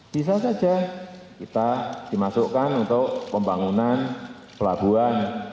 bisa saja kita dimasukkan untuk pembangunan pelabuhan